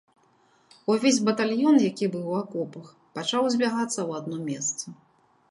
Увесь батальён, які быў у акопах, пачаў збягацца ў адно месца.